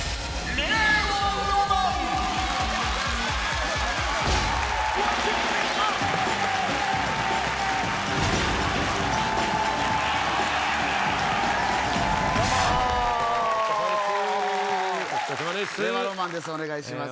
令和ロマンですお願いします